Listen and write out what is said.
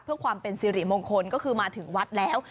เพื่อความเป็นสิริมงคลก็คือมาถึงวัดแล้ว